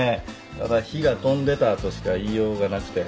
ただ火が飛んでたとしか言いようがなくて。